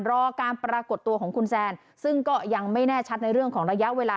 รอการปรากฏตัวของคุณแซนซึ่งก็ยังไม่แน่ชัดในเรื่องของระยะเวลา